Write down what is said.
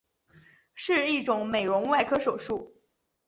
是一种美容外科手术。